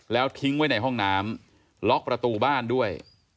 แล้วทิ้งไว้ในห้องน้ำล็อกประตูบ้านด้วย